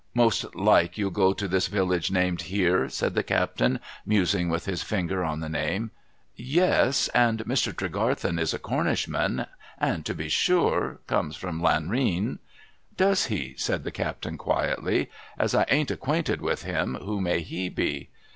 Most like, you'll go to this village named here ?' said the captain, musing, with his finger on the name. ' Yes ! And Mr. Tregarthen is a Cornishman, and — to be sure !— comes from Lanrean.' 'Does he?' said the captain quietly. 'As I ain't acquainted with him, who may he be